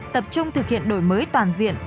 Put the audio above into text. tập trung thực hiện đổi mới toàn diện